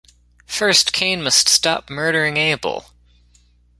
First, Cain must stop murdering Abel.